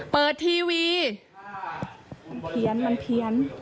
เปิดทีวี